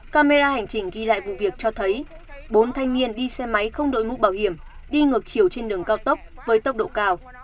camera hành trình ghi lại vụ việc cho thấy bốn thanh niên đi xe máy không đổi mũ bảo hiểm đi ngược chiều trên đường cao tốc